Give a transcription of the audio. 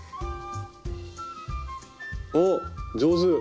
おっ上手。